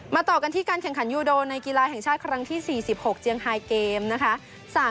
ต่อกันที่การแข่งขันยูโดในกีฬาแห่งชาติครั้งที่๔๖เจียงไฮเกมนะคะ